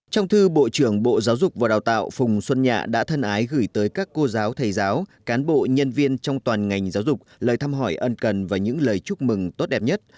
trong thư bộ trưởng bộ giáo dục và đào tạo phùng xuân nhạ đã thân ái gửi tới các cô giáo thầy giáo cán bộ nhân viên trong toàn ngành giáo dục lời thăm hỏi ân cần và những lời chúc mừng tốt đẹp nhất